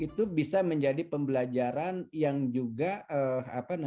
itu bisa menjadi pembelajaran yang juga apa namanya